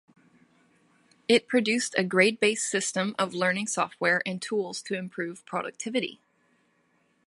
It produced a grade-based system of learning software and tools to improve productivity.